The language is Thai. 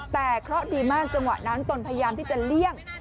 แต่เคราะห์ดีมากจังหวะนั้นตนพยายามที่จะเลี่ยง